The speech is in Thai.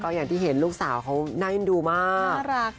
หยังที่เห็นลูกสาวเค้าน่ายินดูมาก